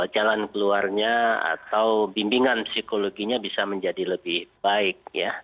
jalan keluarnya atau bimbingan psikologinya bisa menjadi lebih baik